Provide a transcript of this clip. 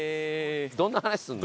どんな話するの？